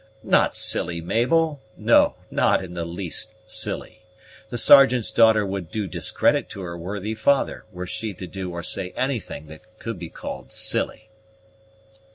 "Not silly, Mabel; no, not in the least silly. The Sergeant's daughter would do discredit to her worthy father, were she to do or say anything that could be called silly."